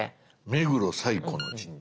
目黒最古の神社。